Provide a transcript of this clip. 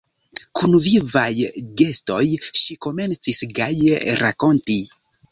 Kun vivaj gestoj ŝi komencis gaje rakonti: